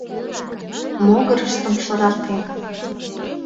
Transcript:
Могырыштым шыратен.